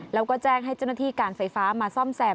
แล้วก็แจ้งให้เจ้าหน้าที่การไฟฟ้ามาซ่อมแซม